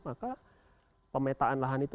maka pemetaan lahan itu